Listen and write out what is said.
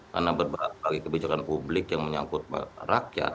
karena berbagai kebijakan publik yang menyangkut rakyat